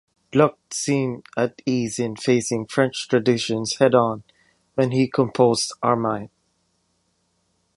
Gluck seemed at ease in facing French traditions head-on when he composed "Armide".